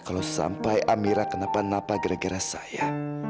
kalau sampai amira kenapa napa gara gara saya